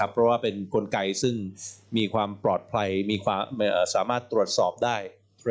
เพราะว่าเป็นกลไกซึ่งมีความปลอดภัยมีความสามารถตรวจสอบได้